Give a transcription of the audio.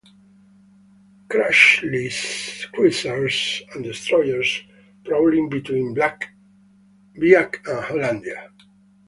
Crutchley's cruisers and destroyers prowling between Biak and Hollandia.